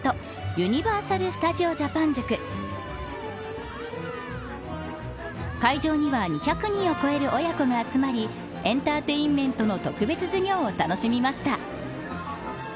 ユニバーサル・スタジオ・ジャパン塾会場には２００人を超える親子が集まりエンターテインメントの特別授業を楽しみました。